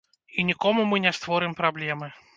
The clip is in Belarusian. І нікому мы не створым праблемы.